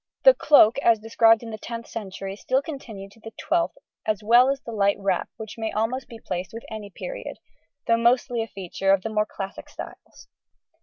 ] The cloak as described in the 10th century still continued till the 12th, as well as the light wrap which may almost be placed with any period, though mostly a feature of the more classic styles.